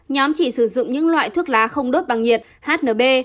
nhóm chỉ sử dụng những loại thuốc lá không đốt bằng nhiệt hnb